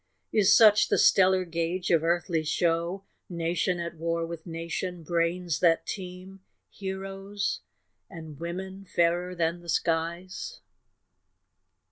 Is such the stellar gauge of earthly show, Nation at war with nation, brains that teem, Heroes, and women fairer than the skies?